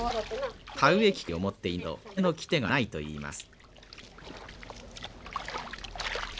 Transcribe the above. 田植え機械を持っていないと嫁の来手がないといいます。